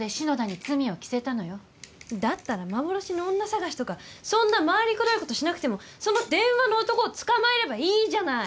だったら幻の女探しとかそんな回りくどいことしなくてもその電話の男を捕まえればいいじゃない！